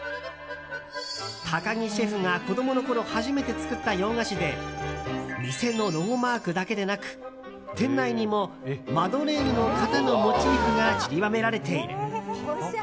高木シェフが子供のころ初めて作った洋菓子で店のロゴマークだけでなく店内にもマドレーヌの型のモチーフがちりばめられている。